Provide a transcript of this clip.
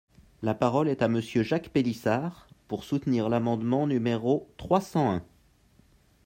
La parole est à Monsieur Jacques Pélissard, pour soutenir l’amendement numéro trois cent un.